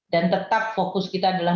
dan tetap fokus kita adalah